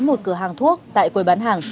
một cửa hàng thuốc tại quầy bán hàng